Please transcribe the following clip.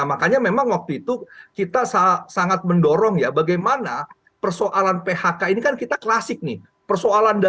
nah ini yang memang juga akhirnya proses penyelesaian